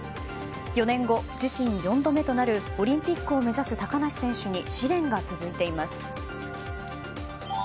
４年後、自身４度目となるオリンピックを目指す高梨選手に試練が続いています。